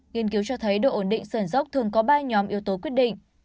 nghiên cứu cho thấy độ ổn định sườn dốc thường có ba nhóm yếu tố quyết định